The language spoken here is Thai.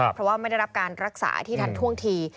เพราะว่าไม่ได้รับการรักษาที่ทันท่วงที